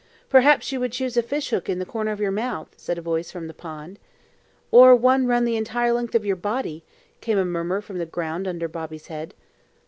"Perhaps you would choose a fish hook in the corner of your mouth?" said a voice from the pond. "Or one run the entire length of your body?" came a murmur from the ground under Bobby's head.